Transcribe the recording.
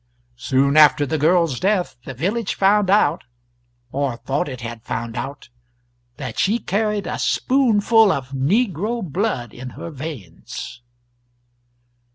Soon after the girl's death the village found out, or thought it had found out, that she carried a spoonful of negro blood in her veins.